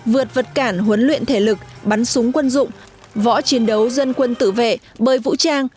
vượt vật cản huấn luyện thể lực bắn súng quân dụng võ chiến đấu dân quân tự vệ bơi vũ trang